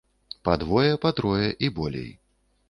Па двое, па трое і болей.